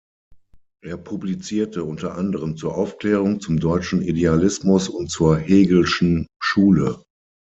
Er publizierte unter anderem zur Aufklärung, zum Deutschen Idealismus und zur Hegelschen Schule.